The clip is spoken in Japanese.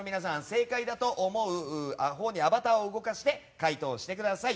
正解だと思うほうにアバターを動かして回答してください。